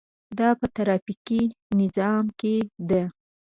دا په ټرافیکي نظام کې ده.